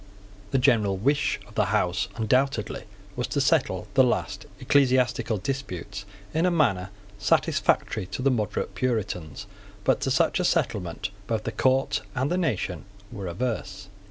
The general wish of the House undoubtedly was to settle the ecclesiastical disputes in a manner satisfactory to the moderate Puritans. But to such a settlement both the court and the nation were averse.